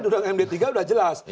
di dalam md tiga sudah jelas